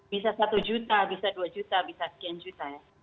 bisa satu juta bisa dua juta bisa sekian juta ya